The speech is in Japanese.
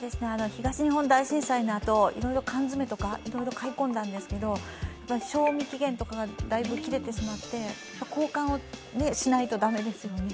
東日本大震災のあと、いろいろ缶詰とか買い込んだんですけど賞味期限とかがだいぶ切れてしまって交換をしないと駄目ですよね。